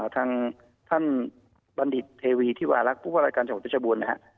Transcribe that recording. ทางท่านบรรดิษฐ์เทวีที่วาลักษณ์ปุ๊บวรรดิการจังหกประชบวลนะครับ